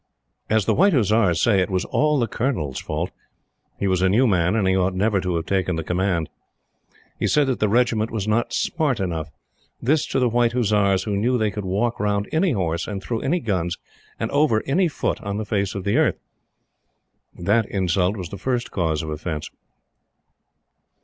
As the White Hussars say, it was all the Colonel's fault. He was a new man, and he ought never to have taken the Command. He said that the Regiment was not smart enough. This to the White Hussars, who knew they could walk round any Horse and through any Guns, and over any Foot on the face of the earth! That insult was the first cause of offence.